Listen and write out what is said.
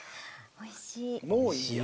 おいしい。